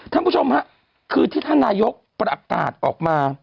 ท่านผู้ชมค่ะคือที่ท่านนายกประอบตาลออกมา